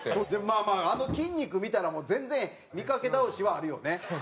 まあまああの筋肉見たら全然見かけ倒しはあるよね。